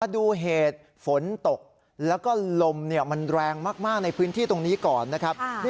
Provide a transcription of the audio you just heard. ดูเหตุฝนตกแล้วก็ลมมันแรงมากในพื้นที่ตรงนี้ก่อนนะครับ